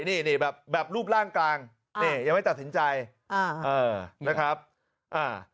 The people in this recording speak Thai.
นี่นี่แบบแบบรูปร่างกลางนี่ยังไม่ตัดสินใจอ่าเออนะครับอ่า